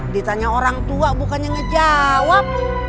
ditanya orang tua bukannya ngejawab